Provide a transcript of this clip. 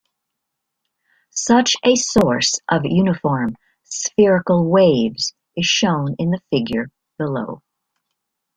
Such a source of uniform spherical waves is shown in the figure below.